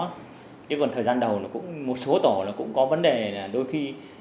nhưng mà thời gian đầu nó cũng một số tổ nó cũng có vấn đề là đôi khi